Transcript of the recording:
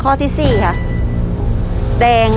เร็วเร็วเร็ว